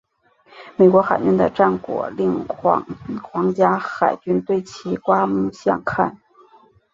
美国海军的战果令皇家海军对其刮目相看。